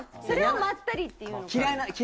それをまったりって言うのかな。